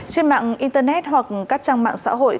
trên mạng internet hoặc các trang mạng xã hội